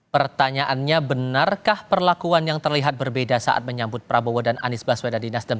pertanyaannya benarkah perlakuan yang terlihat berbeda saat menyambut prabowo dan anies baswedan di nasdem